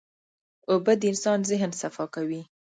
اوبه د انسان ذهن صفا کوي.